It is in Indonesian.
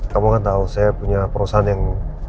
kamu kan tahu saya punya perusahaan yang